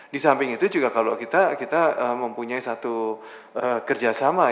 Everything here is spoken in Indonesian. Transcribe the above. di samping itu juga kalau kita mempunyai satu kerjasama